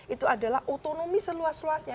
itu adalah otonomi seluas luasnya